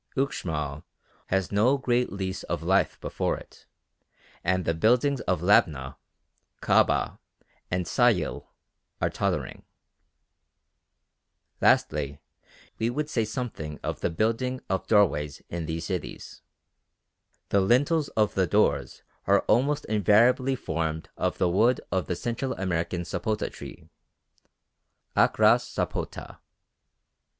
Uxmal has no great lease of life before it, and the buildings of Labna, Kabah, and Sayil are tottering. Lastly, we would say something of the building of doorways in these cities. The lintels of the doors are almost invariably formed of the wood of the Central American sapota tree (Achras sapota).